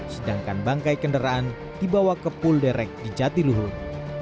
sedangkan bangkai kendaraan dibawa ke pul derek di jatiluhur